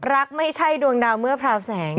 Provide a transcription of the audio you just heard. รักไม่ใช่ดวงดาวเมื่อพราวแสง